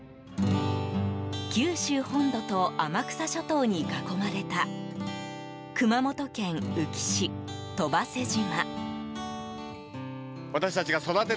九州本土と天草諸島に囲まれた熊本県宇城市戸馳島。